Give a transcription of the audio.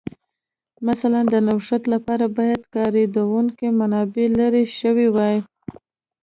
مثلاً د نوښت لپاره باید کارېدونکې منابع لرې شوې وای